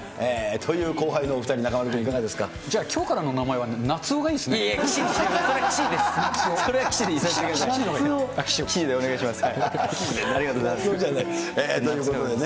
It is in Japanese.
という後輩のお２人、中丸君、じゃあ、きょうからの名前はなつおがいいですね。